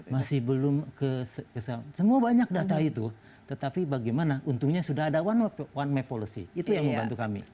masih belum ke sana semua banyak data itu tetapi bagaimana untungnya sudah ada one map policy itu yang membantu kami